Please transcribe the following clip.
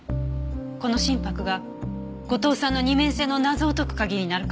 この真柏が後藤さんの二面性の謎を解くカギになるかもしれない。